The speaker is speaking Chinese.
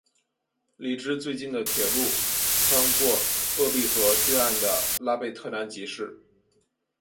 离之最近的铁路穿过鄂毕河对岸的拉贝特南吉市。